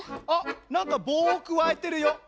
あっなんかぼうをくわえてるよ。